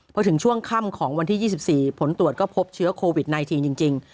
พอถึงช่วงค่ำของวันที่๒๔ผลตรวจก็พบเชื้อโควิด๑๙จริง